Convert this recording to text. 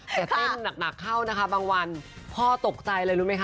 แต่เต้นหนักเข้านะคะบางวันพ่อตกใจอะไรรู้ไหมค